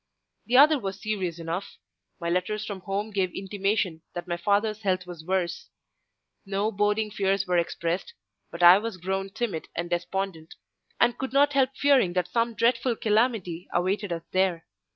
The other was serious enough; my letters from home gave intimation that my father's health was worse. No boding fears were expressed, but I was grown timid and despondent, and could not help fearing that some dreadful calamity awaited us there.